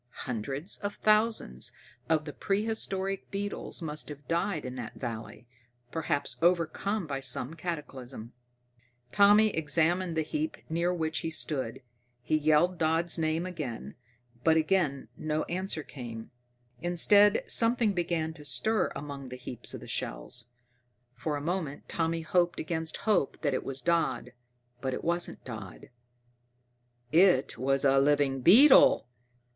Hundreds of thousands of the prehistoric beetles must have died in that valley, perhaps overcome by some cataclysm. Tommy examined the heap near which he stood; he yelled Dodd's name, but again no answer came. Instead, something began to stir among the heaps of shells. For a moment Tommy hoped against hope that it was Dodd, but it wasn't Dodd. _It was a living beetle!